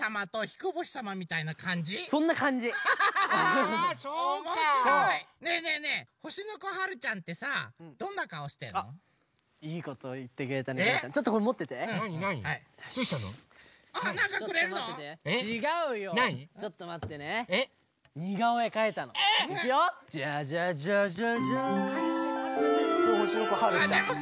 これほしのこはるちゃん！